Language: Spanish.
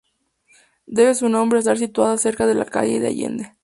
Debe su nombre a estar situada cerca de la calle de Allende.